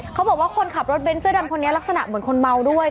เขาบอกว่าคนขับรถเบ้นเสื้อดำคนนี้ลักษณะเหมือนคนเมาด้วย